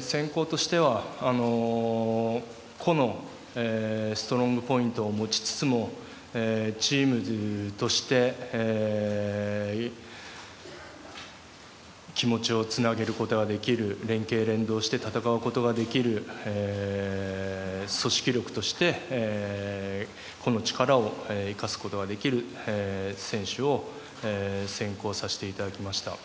選考としては個のストロングポイントを持ちつつもチームとして気持ちをつなげることができる連係・連動して戦うことができる組織力として個の力を生かすことができる選手を選考させていただきました。